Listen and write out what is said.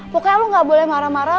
pokoknya aku gak boleh marah marah